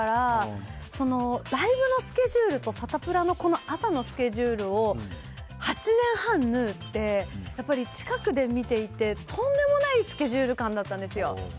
ライブがやっぱり土日に多いから、ライブのスケジュールとサタプラのこの朝のスケジュールを８年半縫うって、やっぱり、近くで見ていて、とんでもないスケジュール感だったんですよ。